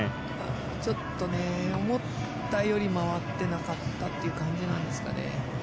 ちょっと思ったより回っていなかったという感じなんですかね。